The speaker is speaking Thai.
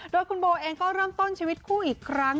โดยคุณโบเองก็เริ่มต้นชีวิตคู่อีกครั้ง